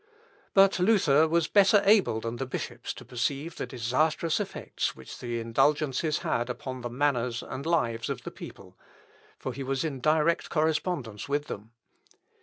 But Luther was better able than the bishops to perceive the disastrous effects which the indulgences had upon the manners and lives of the people; for he was in direct correspondence with them.